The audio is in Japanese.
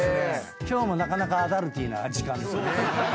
今日もなかなかアダルティーな時間です。